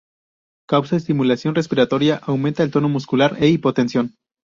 Causa estimulación respiratoria, aumenta el tono muscular e hipotensión.